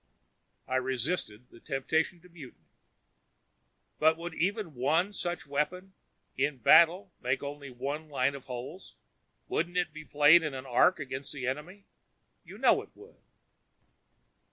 I resisted the temptation to mutiny. "But would even one such weapon, in battle make only one line of holes? Wouldn't it be played in an arc against the enemy? You know it would."